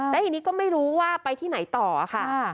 และทีนี้ก็ไม่รู้ว่าไปที่ไหนต่อค่ะ